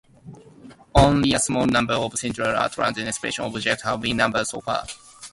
Only a small number of centaurs and trans-Neptunian objects have been numbered so far.